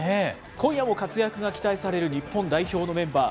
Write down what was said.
今夜も活躍が期待される日本代表のメンバー。